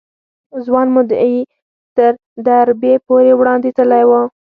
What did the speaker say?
ځوان مدعي تر دربي پورې وړاندې تللی و.